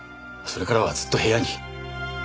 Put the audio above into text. それからはずっと部屋に。